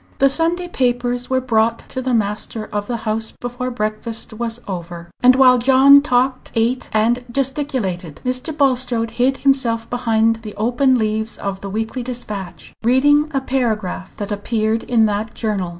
The Sunday papers were brought to the master of the house before breakfast was over; and while John talked, ate, and gesticulated, Mr. Bulstrode hid himself behind the open leaves of the Weekly Dispatch, reading a paragraph that appeared in that journal.